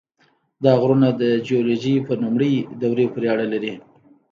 دا غرونه د جیولوژۍ په لومړۍ دورې پورې اړه لري.